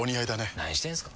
何してんすか。